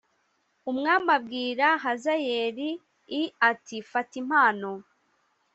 umwami abwira hazayeli i ati fata impano